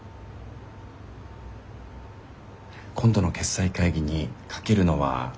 今度の決裁会議にかけるのは取りやめます。